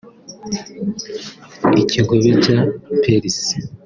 Ikigobe cya Perse